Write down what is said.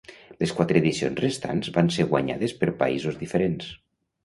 Les quatre edicions restants van ser guanyades per països diferents.